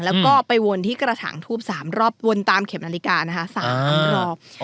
แล้วก็ไปวนที่กระถางทูบ๓รอบวนตามเข็มนาฬิกานะคะ๓รอบ